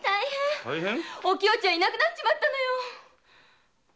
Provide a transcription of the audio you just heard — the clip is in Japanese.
お清ちゃんがいなくなったのよ！